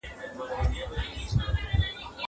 مکتب خلاص کړه.